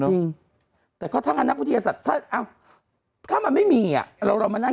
นึกแต่ก็ท่านอาณาพุทธยาศัตริย์ถ้ามันไม่มีอ่ะเรามานั่ง